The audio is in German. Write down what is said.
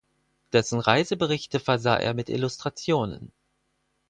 Dessen Reiseberichte versah er mit Illustrationen.